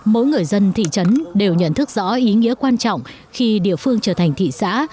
mỗi người dân thị trấn đều nhận thức rõ ý nghĩa quan trọng khi địa phương trở thành thị xã